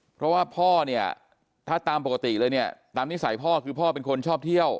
เพราะว่าพ่อเนี่ยถ้าตามปกติเลยเนี่ยตามนิสัยพ่อคือพ่อเป็นคนชอบเที่ยว